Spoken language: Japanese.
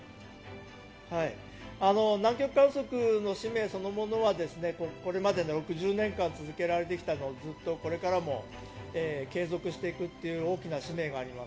南極観測の使命そのものはこれまで６０年間続けられてきたのをこれからも継続していくという大きな使命があります。